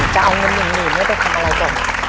จะเอาเงินอย่างนี้ไปทำอะไรก่อน